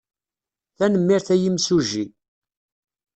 Tanemmirt a imsujji.